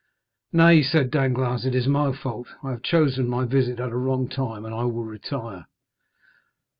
"Nay," said Danglars, "it is my fault; I have chosen my visit at a wrong time, and will retire."